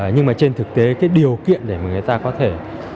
nhưng mà trên thực tế cái điều kiện để mà người ta có thể